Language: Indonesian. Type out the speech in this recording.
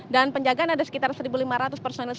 dan penjagaan ada sekitar satu lima ratus personel